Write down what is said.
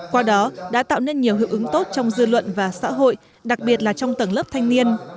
qua đó đã tạo nên nhiều hữu ứng tốt trong dư luận và xã hội đặc biệt là trong tầng lớp thanh niên